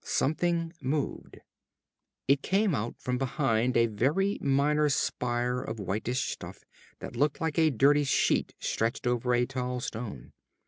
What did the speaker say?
Something moved. It came out from behind a very minor spire of whitish stuff that looked like a dirty sheet stretched over a tall stone.